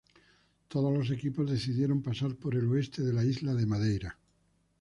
Todos los equipos decidieron pasar por el oeste de la isla de Madeira.